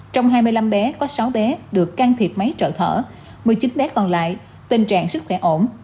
trong hai mươi năm bé có sáu bé được can thiệp máy trợ thở một mươi chín bé còn lại tình trạng sức khỏe ổn